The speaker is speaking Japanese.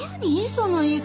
その言い方。